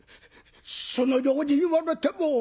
「そのように言われても。